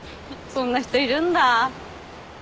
そんな人いるんだ。